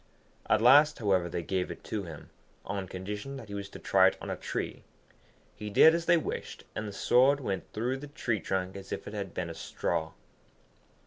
At last, however, they gave it to him, on condition that he was to try it on a tree. He did as they wished, and the sword went through the tree trunk as if it had been a straw.